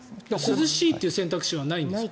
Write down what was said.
涼しいという選択肢はないんですか。